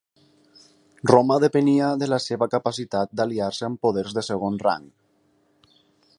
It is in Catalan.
Roma depenia de la seva capacitat d'aliar-se amb poders de segon rang.